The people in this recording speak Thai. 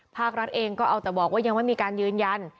ภาครัฐเองก็เอาแต่บอกว่ายังไม่มีการยืนยัน